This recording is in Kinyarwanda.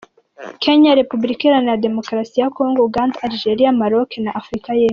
Kenya, Repubulika Iharanira Demokarasi ya Kongo, Uganda, Algeria, Maroc na Afurika y’Epfo .